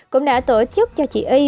cũng đã tổ chức cho chị y